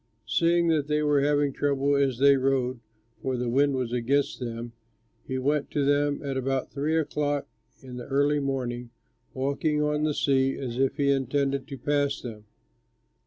Seeing that they were having trouble as they rowed, for the wind was against them, he went to them at about three o'clock in the early morning, walking on the sea as if he intended to pass them.